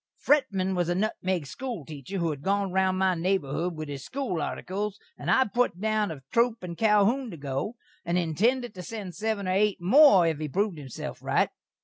Fretman was a nutmeg skhool teacher who had gone round my naborhood with his skool artikles, and I put down of Troup and Calhoun to go, and intended to send seven or eight more if he proved himself right.